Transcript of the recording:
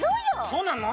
そうなの？